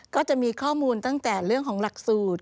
ก็จะมีข้อมูลตั้งแต่เรื่องของหลักสูตร